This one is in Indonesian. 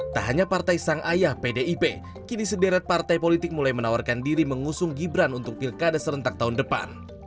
tak hanya partai sang ayah pdip kini sederet partai politik mulai menawarkan diri mengusung gibran untuk pilkada serentak tahun depan